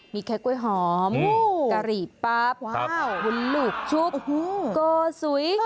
มีไข่กล้วยหอมกะหรี่ปั๊บว้าววุนลูกชุบกอสุย